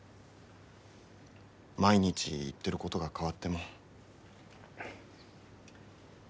毎日言ってることが変わっても。